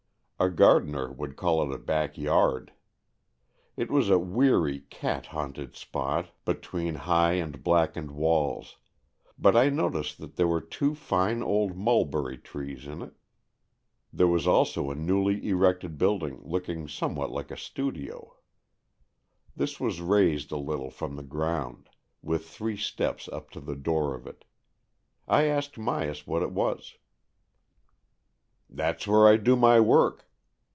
A gardener would call it a back yard. It was a weary, cat haunted spot between high and black 53 54 AN EXCHANGE OF SOULS ened walls, but I noticed that there were two fine old mulberry trees in it. There was also a newly erected building, looking somewhat like a studio. This was raised a little from the ground, with three steps up to the door of it. I asked Myas what it was. " That's where I do my work.